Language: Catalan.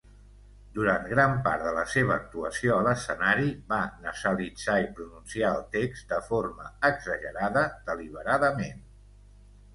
Durant gran part de la seva actuació a l'escenari va nasalitzar i pronunciar el text de forma exagerada deliberadament.